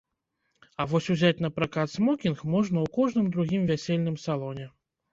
А вось узяць напракат смокінг можна ў кожным другім вясельным салоне.